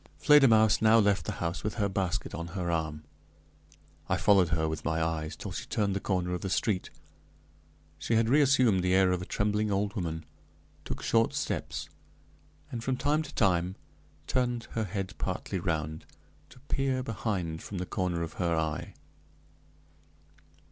Fledermausse now left the house with her basket on her arm. I followed her with my eyes till she turned the corner of the street. She had reassumed the air of a trembling old woman, took short steps, and from time to time turned her head partly around, to peer behind from the corner of her eye.